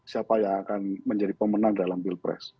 siapa yang akan menjadi pemenang dalam pilpres